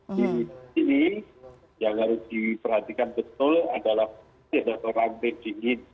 di sini yang harus diperhatikan betul adalah rantai dingin